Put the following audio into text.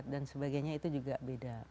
dan sebagainya itu juga beda